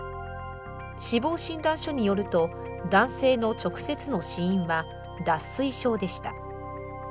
死亡診断書によると、男性の直接の死因は脱水症でした。